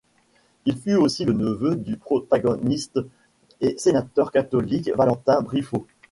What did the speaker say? Il fut aussi le neveu du propagandiste et sénateur catholique Valentin Brifaut.